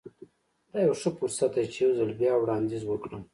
دا يو ښه فرصت دی چې يو ځل بيا وړانديز وکړم.